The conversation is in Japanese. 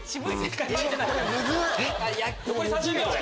残り３０秒。